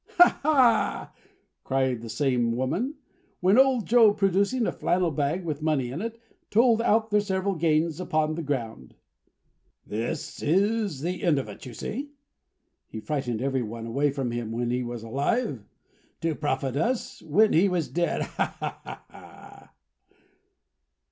"Ha, ha!" laughed the same woman, when old Joe, producing a flannel bag with money in it, told out their several gains upon the ground. "This is the end of it, you see? He frightened everyone away from him when he was alive, to profit us when he was dead! Ha! ha! ha!"